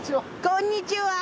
こんにちは。